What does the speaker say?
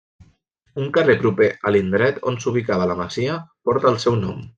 Un carrer proper a l'indret on s'ubicava la masia porta el seu nom.